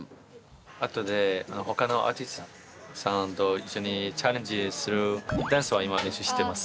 あとで他のアーティストさんと一緒にチャレンジするダンスを今練習してます。